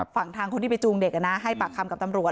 ฝั่งทางคนที่ไปจูงเด็กให้ปากคำกับตำรวจ